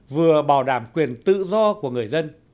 vừa bảo đảm quyền tự do của người dân